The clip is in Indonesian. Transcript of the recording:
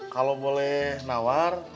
kalau boleh nawar